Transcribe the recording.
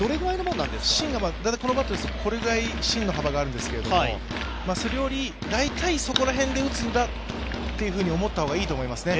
このバットでは、これぐらいの幅があるんですけど、それより、大体そこら辺で打つんだというふうに思った方がいいと思いますね。